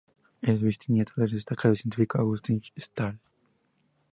Es bisnieta del destacado científico Agustín Stahl.